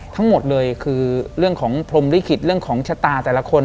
ทั้งหมดเลยคือเรื่องของพรมลิขิตเรื่องของชะตาแต่ละคน